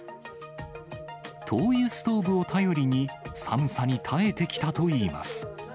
灯油ストーブを頼りに、寒さに耐えてきたといいます。